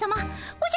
おじゃ。